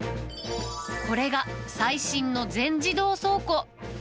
これが最新の全自動倉庫。